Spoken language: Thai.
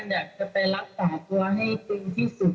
ต้องการจะไปรักษาตัวให้ดีที่สุด